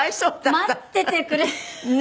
待っててくれて。